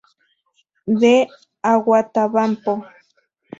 De Huatabampo.